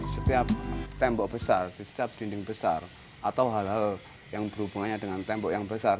setiap tembok besar di setiap dinding besar atau hal hal yang berhubungannya dengan tembok yang besar